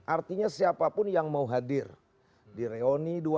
artinya siapapun yang mau hadir di reoni dua ratus dua belas